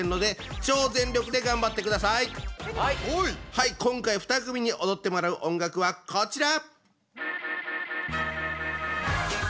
はい今回２組に踊ってもらう音楽はこちら！